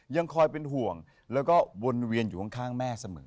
ยังคอยเป็นห่วงแล้วก็วนเวียนอยู่ข้างแม่เสมอ